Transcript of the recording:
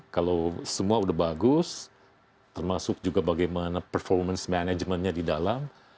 kalau semua udah bagus termasuk juga bagaimana performance managementnya di dalam